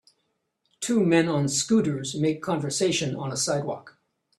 Two men on scooters make conversation on a sidewalk